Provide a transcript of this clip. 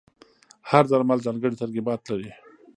هر درمل ځانګړي ترکیبات لري.